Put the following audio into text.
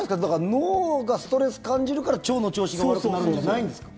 脳がストレス感じるから腸の調子が悪くなるんじゃないんですか？